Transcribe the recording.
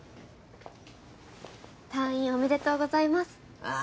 退院おめでとうございますああ